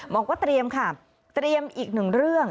บอกว่าเตรียมค่ะเตรียมอีกหนึ่งเรื่อง